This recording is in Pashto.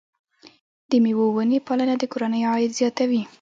د مېوو ونې پالنه د کورنۍ عاید زیاتوي.